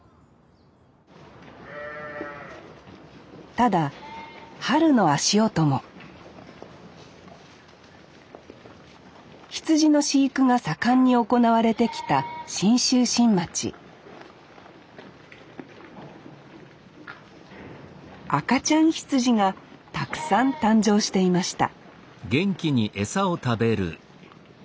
ただ春の足音も羊の飼育が盛んに行われてきた信州新町赤ちゃん羊がたくさん誕生していました